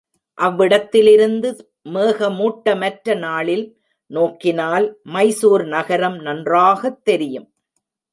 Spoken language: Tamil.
அவ்விடத்திலிருந்து மேகமூட்டமற்ற நாளில் நோக்கினால், மைசூர் நகரம் நன்றாகத் தெரியும்.